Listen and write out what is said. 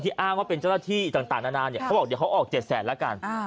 ที่อ้างว่าเป็นเจ้าหน้าที่ต่างนานเขาบอกเดี๋ยวเขาออก๗๐๐๐๐๐บาทละกัน